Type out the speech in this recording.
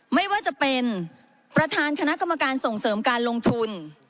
ไม่ว่าจะเป็นประธานคณะกรรมการส่งเสริมการลงทุน